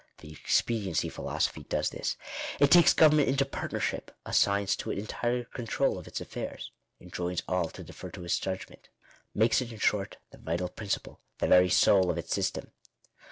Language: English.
The expediency philosophy does this. It takes government into partnership — assigns to it entire control of its affairs — enjoins all to defer to its judgment — makes it in short the vital principle, the very soul of its system.